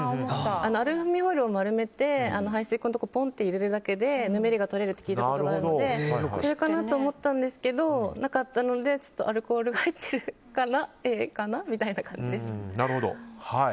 アルミホイルを丸めて排水口のところに入れるだけでぬめりが取れるって聞いたことがあるのでそれかなって思ったんですけどなかったのでアルコールが入ってるからＡかなみたいな感じです。